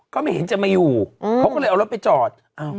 ก็ไม่เห็นจะมาอยู่เขาก็เลยเอารถไปจอด